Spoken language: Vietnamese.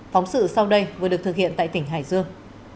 phóng sự sau đây vừa được thực hiện tại tỉnh bình định